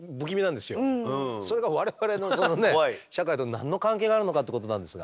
それが我々の社会と何の関係があるのかってことなんですが。